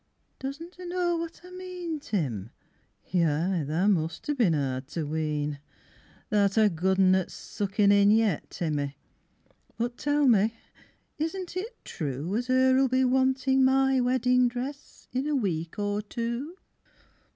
Doesn't ter know what I mean, Tim? Yi, Tha must' a' been hard to wean! Tha'rt a good un at suckin in yet, Timmy; But tell me, isn't it true As 'er'll be wantin' my weddin' dress In a week or two?